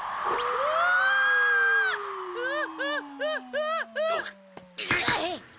うわっ！